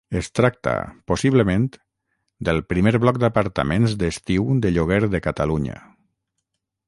Es tracta, possiblement, del primer bloc d’apartaments d’estiu de lloguer de Catalunya.